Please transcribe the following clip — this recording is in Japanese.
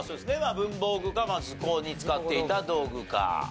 文房具か図工に使っていた道具か。